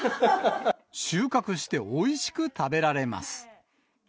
収穫しておいしく食べられます。